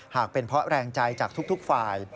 หากเป็นเพราะแรงใจจากทุกฝ่าย